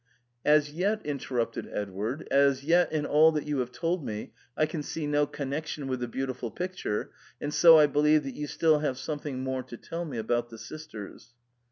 "As yet," interrupted Edward, "as yet in all that you have told me I can see no connection with the beautiful picture, and so I believe that you still have something more to tell me about the sisters.